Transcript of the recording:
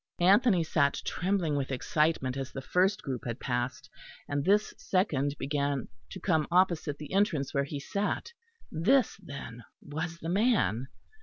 Anthony sat trembling with excitement as the first group had passed, and this second began to come opposite the entrance where he sat. This then was the man!